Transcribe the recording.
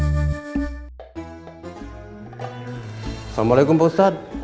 assalamualaikum pak ustadz